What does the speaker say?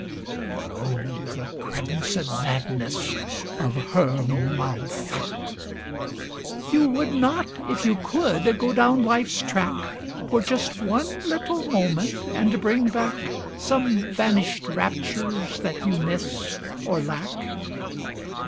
(But oh! the crimson madness of her mouth.) You would not, if you could, go down life's track For just one little moment, and bring back Some vanished raptures that you miss or lack?